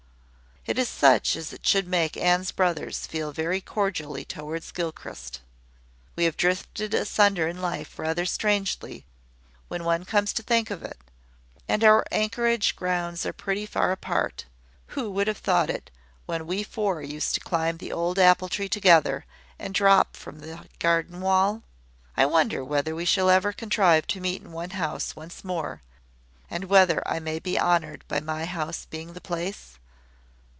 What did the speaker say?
It is such as should make Anne's brothers feel very cordially towards Gilchrist. We have drifted asunder in life rather strangely, when one comes to think of it; and our anchorage grounds are pretty far apart. Who would have thought it, when we four used to climb the old apple tree together, and drop down from the garden wall? I wonder whether we shall ever contrive to meet in one house once more, and whether I may be honoured by my house being the place?